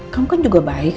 kamu kan juga baik